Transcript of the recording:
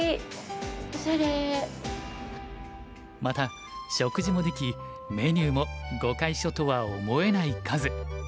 また食事もできメニューも碁会所とは思えない数。